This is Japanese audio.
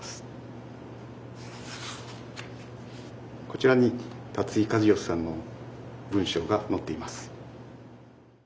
こちらに立井一嚴さんの文章が載っています。